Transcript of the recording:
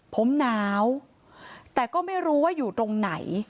ผมหนาวแต่ก็ไม่รู้ว่าอยู่ตรงไหน